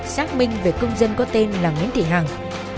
xác minh về công dân có tên là nguyễn thị hằng